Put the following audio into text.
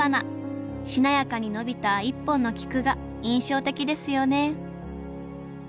しなやかに伸びた１本の菊が印象的ですよね